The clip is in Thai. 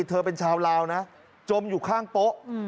เธอเป็นชาวลาวนะจมอยู่ข้างโป๊ะ